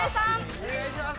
お願いします。